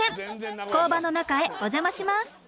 工場の中へお邪魔します。